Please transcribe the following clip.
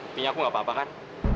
itunya aku gak apa apa kan